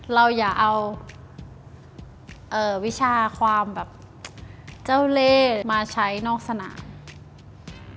เราอย่าเอาวิชาความแบบเจ้าเลขมาใช้นอกสนาม